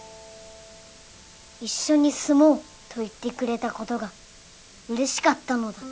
一緒に住もうと言ってくれた事が嬉しかったのだ。